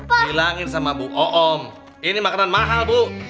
dihilangin sama bu oom ini makanan mahal bu